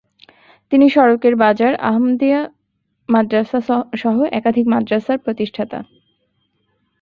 তিনি সড়কের বাজার আহমদিয়া মাদ্রাসা সহ একাধিক মাদ্রাসার প্রতিষ্টাতা।